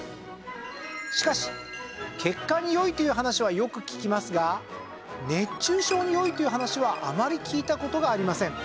しかし血管に良いという話はよく聞きますが熱中症に良いという話はあまり聞いた事がありません。